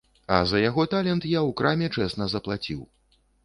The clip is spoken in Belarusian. А за яго талент я ў краме чэсна заплаціў.